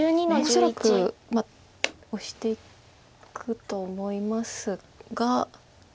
恐らくオシていくと思いますが。